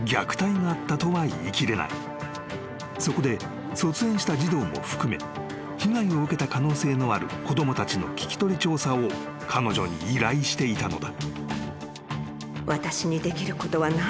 ［そこで卒園した児童も含め被害を受けた可能性のある子供たちの聞き取り調査を彼女に依頼していたのだ］